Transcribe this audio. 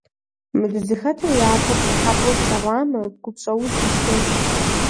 Мы дызыхэтыр япэм пщӀыхьэпӀэу слъэгъуамэ, гупщӀэуз исхынт.